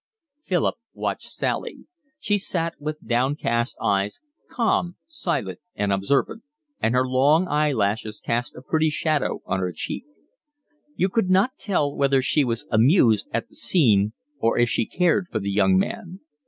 Philip watched Sally; she sat with downcast eyes, calm, silent, and observant; and her long eye lashes cast a pretty shadow on her cheek. You could not tell whether she was amused at the scene or if she cared for the young man.